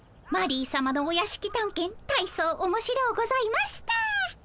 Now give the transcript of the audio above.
マリーさまのお屋敷たんけんたいそうおもしろうございました。